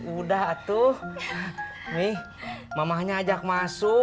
udah tuh nih mamahnya ajak masuk